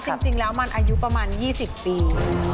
จริงแล้วมันอายุประมาณ๒๐ปี